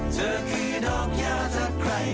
เธอคือดอกยาทักใครบ้าง